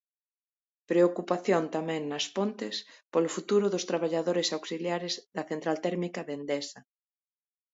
Preocupación tamén nas Pontes polo futuro dos traballadores auxiliares da central térmica de Endesa.